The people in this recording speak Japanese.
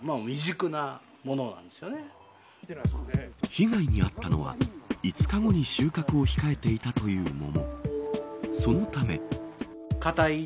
被害にあったのは５日後に収穫を控えていたという桃。